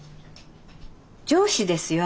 上司ですよ